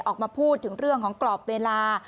ออกมาพูดถึงเรื่องของกรอบเวลา